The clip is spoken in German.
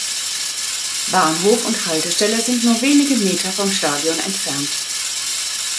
Bahnhof und Haltestelle sind nur wenige Meter vom Stadion entfernt.